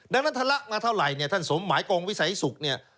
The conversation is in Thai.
ดังนั้นทะละมาเท่าไหร่เนี่ยท่านสมหมายกองวิสัยศุกร์เนี่ย